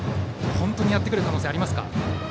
本当にやってくる可能性はありますか。